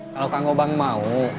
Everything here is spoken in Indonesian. kalau kang obang mau